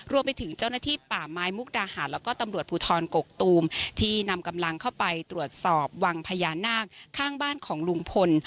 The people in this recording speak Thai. รวมไปถึงเจ้าหน้าที่ป่าไม้มุกดาหารแล้วก็ตำรวจภูทรกกตูมที่นำกำลังเข้าไปตรวจสอบวังพญานาคข้างบ้านของลุงพล